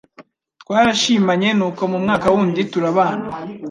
Twarashimanye nuko mu mwaka wundi turabana